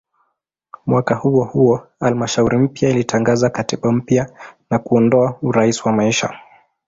Mwaka huohuo halmashauri mpya ilitangaza katiba mpya na kuondoa "urais wa maisha".